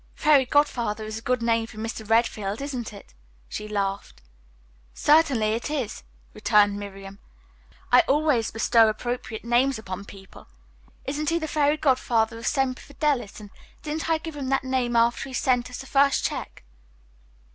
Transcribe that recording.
"Fairy godfather is a good name for Mr. Redfield, isn't it?" she laughed. "Certainly it is," returned Miriam. "I always bestow appropriate names upon people. Isn't he the fairy godfather of Semper Fidelis and didn't I give him that name after he sent us the first check?"